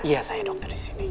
iya saya dokter disini